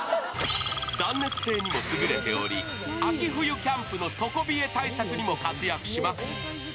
断熱性にも優れており、秋冬キャンプの底冷え対策にも活躍します。